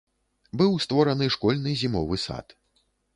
Быў створаны школьны зімовы сад.